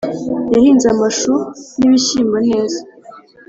Yahinze amashu n’ibishyimbo neza